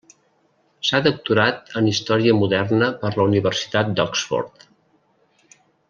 S'ha doctorat en Història Moderna per la Universitat d'Oxford.